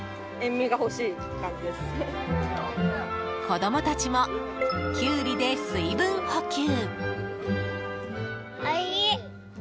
子供たちもキュウリで水分補給。